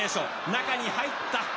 中に入った。